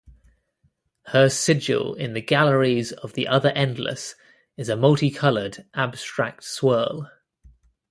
Her sigil in the galleries of the other Endless is a multicolored, abstract swirl.